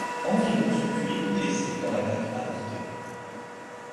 Environ sont tués ou blessés dans l'attaque avortée.